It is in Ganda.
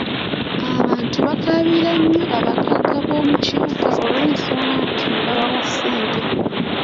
Abantu bakabira nnyo abagagga b’omu kibuga olw’ensonga nti babawa ssente.